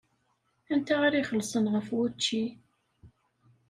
Anta ara ixellṣen ɣef wučči?